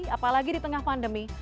apalagi di tengah pandemi